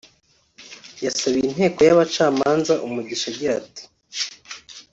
yasabiye inteko y’abacamanza umugisha agira ati